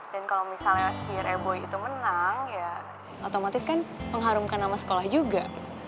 dan kalau misalnya si rey boy itu menang ya otomatis kan pengharumkan sama sekolah juga